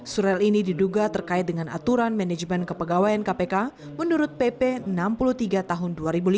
surel ini diduga terkait dengan aturan manajemen kepegawaian kpk menurut pp enam puluh tiga tahun dua ribu lima